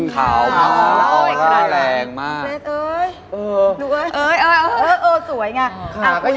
ครับ